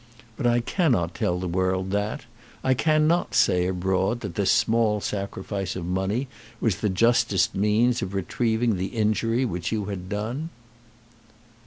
But I cannot tell the world that. I cannot say abroad that this small sacrifice of money was the justest means of retrieving the injury which you had done."